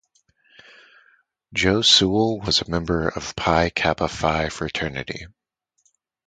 Joe Sewell was a member of Pi Kappa Phi fraternity.